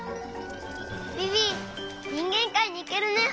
ビビにんげんかいにいけるね！